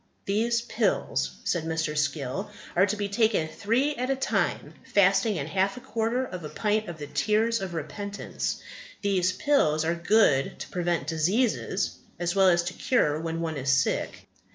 "These pills," said Mr. Skill, "are to be taken three at a time fasting in half a quarter of a pint of the tears of repentance; these pills are good to prevent diseases, as well as to cure when one is sick.